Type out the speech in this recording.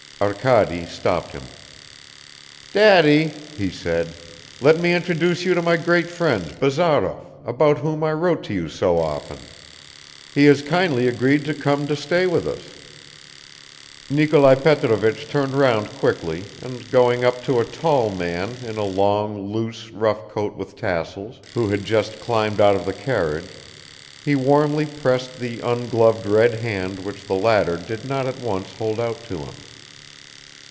Arkady stopped him. "Daddy," he said, "let me introduce you to my great friend, Bazarov, about whom I wrote to you so often. He has kindly agreed to come to stay with us." Nikolai Petrovich turned round quickly and going up to a tall man in a long, loose rough coat with tassels, who had just climbed out of the carriage, he warmly pressed the ungloved red hand which the latter did not at once hold out to him.